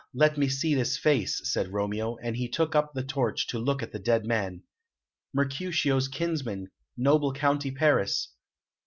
Let me see this face," said Romeo, and he took up the torch to look at the dead man. "Mercutio's kinsman, noble County Paris!